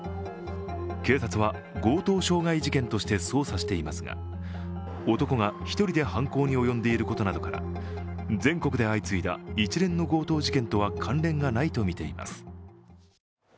警察は強盗傷害事件として捜査していますが男が１人で犯行に及んでいることなどから全国で相次いで一連の強盗事件とは関連がないとみています。